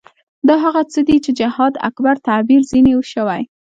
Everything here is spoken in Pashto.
دا هغه څه دي چې جهاد اکبر تعبیر ځنې شوی.